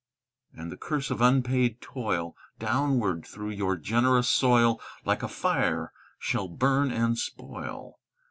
"And the curse of unpaid toil, Downward through your generous soil Like a fire shall burn and spoil.